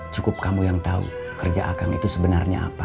cukup kamu yang tahu kerja akang itu sebenarnya apa